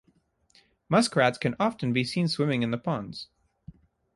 Musk Rats can often be seen swimming in the ponds.